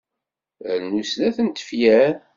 Rnu snat n tefyar.